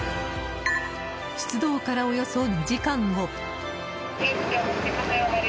出動からおよそ２時間後。